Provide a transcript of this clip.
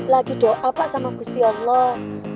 lagi doa pak sama gusti allah